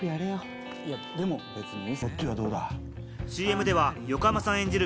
ＣＭでは横浜さん演じる